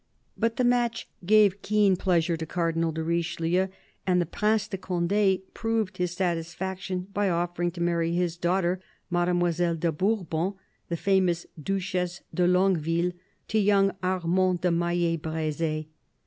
But the match gave keen pleasure to Cardinal de Richelieu ; and the Prince de Conde proved his satisfaction by offering to marry his daughter. Mademoiselle de Bourbon (the famous Duchesse de Longueville), to young Armand de Maille Breze.